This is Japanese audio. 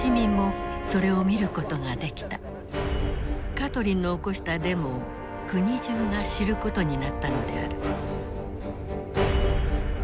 カトリンの起こしたデモを国中が知ることになったのである。